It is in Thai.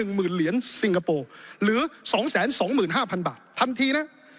๑หมื่นเหรียญสิงคโปร์หรือ๒๒๕๐๐๐บาททันทีนะ